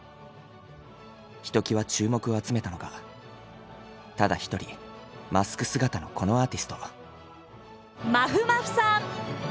ひときわ注目を集めたのがただ一人マスク姿のこのアーティスト。